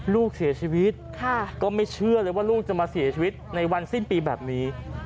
ลูกเสียชีวิตก็ไม่เชื่อเลยว่าลูกจะมาเสียชีวิตในวันสิ้นปีแบบนี้